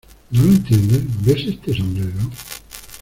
¿ No lo entiendes? ¿ ves este sombrero ?